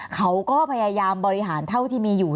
เขาก็พยายามบริหารเท่าที่มีอยู่